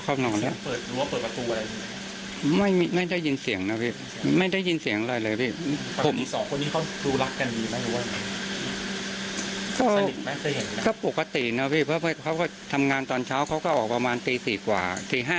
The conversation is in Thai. ก็ออกไปด้วยกันคือเขาจะออกไปประมาณตีห้ากว่าอย่างนี้นะพี่